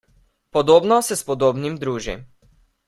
Podobno se s podobnim druži.